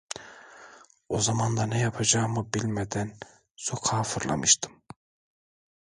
O zaman da ne yapacağımı bilmeden sokağa fırlamıştım.